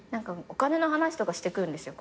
お金の話とかしてくるんですよ。